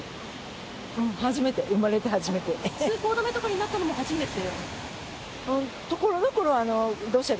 通行止めとかになったのも初めて？